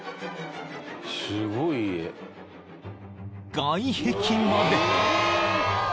［外壁まで］